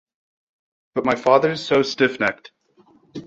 But my father’s so stiff-necked.